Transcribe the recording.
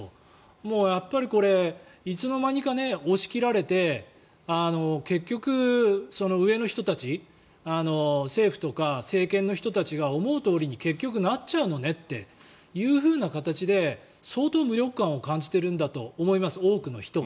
もう、やっぱりこれいつの間にか押し切られて結局、上の人たち政府とか政権の人たちが思うとおりに結局なっちゃうのねという形で多くの人が相当、無力感を感じているんだと思います。